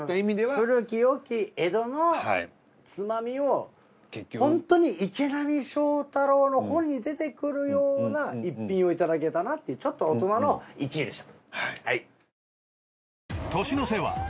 古きよき江戸のつまみをホントに池波正太郎の本に出てくるような一品をいただけたなっていうちょっと大人の１位でした。